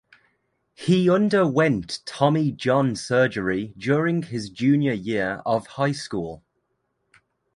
He underwent Tommy John surgery during his junior year of high school.